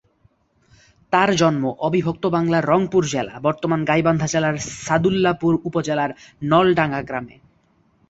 তার জন্ম অবিভক্ত বাংলার রংপুর জেলা, বর্তমান গাইবান্ধা জেলার সাদুল্লাপুর উপজেলার নলডাঙ্গা গ্রামে।